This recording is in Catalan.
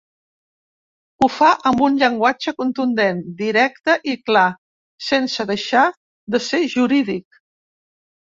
Ho fa amb un llenguatge contundent, directe i clar, sense deixar de ser jurídic.